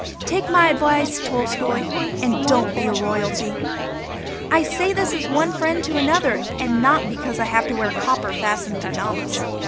Take my advice, Tolstoi, and don't be a royalty. I say this as one friend to another and not because I have to wear copper fastened pajamas.